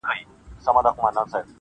باغچې د ګلو سولې ویجاړي -